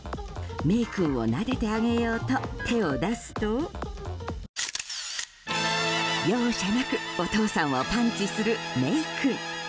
メイ君をなでてあげようと手を出すと容赦なくお父さんをパンチするメイ君。